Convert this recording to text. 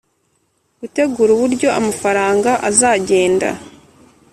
Gutegura uburyo amafaranga azagenda.